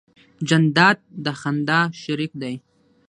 جانداد د خندا شریک دی.